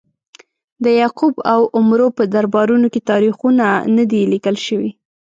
د یعقوب او عمرو په دربارونو کې تاریخونه نه دي لیکل شوي.